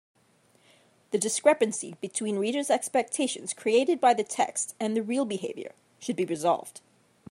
The discrepancy between reader’s expectations created by the text and the real behaviour should be resolved.